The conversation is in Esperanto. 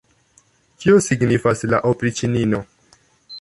Kio signifas la opriĉnino?